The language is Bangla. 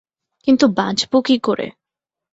কিন্তু বাঁচব কী করে?